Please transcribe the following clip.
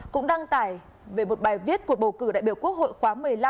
cũng đăng tải về một bài viết cuộc bầu cử đại biểu quốc hội khóa một mươi năm